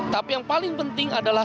tapi yang paling penting adalah